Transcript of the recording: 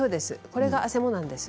これがあせもです。